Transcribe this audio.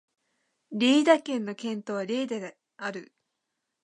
リェイダ県の県都はリェイダである